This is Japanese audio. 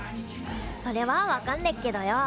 それは分かんねえけっどよ。